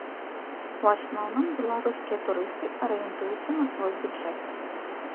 У асноўным, беларускія турысты арыентуюцца на свой бюджэт.